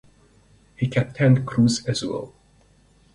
He captained Cruz Azul.